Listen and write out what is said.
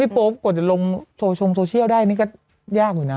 โป๊ปกว่าจะลงชงโซเชียลได้นี่ก็ยากอยู่นะ